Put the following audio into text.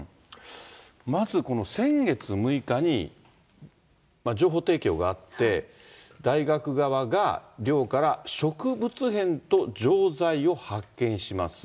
まず、この先月６日に情報提供があって、大学側が寮から植物片と錠剤を発見します。